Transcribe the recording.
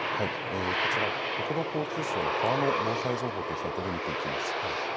こちらは国土交通省の川の防災情報というサイトで見ていきます。